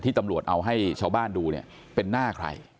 ตำรวจเอาให้ชาวบ้านดูเนี่ยเป็นหน้าใคร